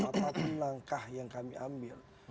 tata pelangkah yang kami ambil